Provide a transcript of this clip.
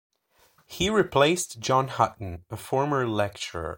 He replaced John Hutton, a former lecturer.